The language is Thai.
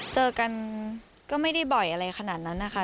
เจอกันก็ไม่ได้บ่อยอะไรขนาดนั้นนะคะ